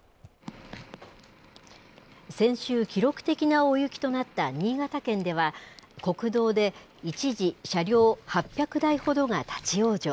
先週、記録的な大雪となった新潟県では、国道で一時、車両８００台ほどが立往生。